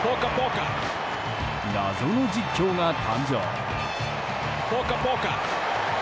謎の実況が誕生。